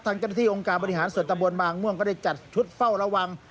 เจ้าหน้าที่องค์การบริหารส่วนตะบนบางม่วงก็ได้จัดชุดเฝ้าระวัง